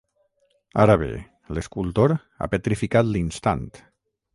Ara bé, l'escultor ha petrificat l'instant.